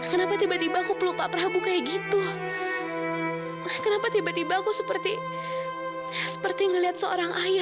kau pembunuh ayah saya kau pembunuh ayah saya